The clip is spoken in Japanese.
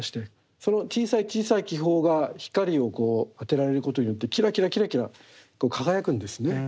その小さい小さい気泡が光を当てられることによってきらきらきらきら輝くんですね。